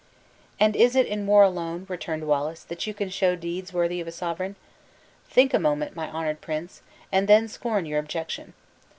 "And is it in war alone," returned Wallace, "that you can show deeds worthy of a sovereign? Think a moment, my honored prince, and then scorn your objection.